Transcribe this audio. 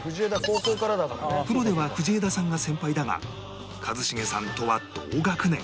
プロでは藤枝さんが先輩だが一茂さんとは同学年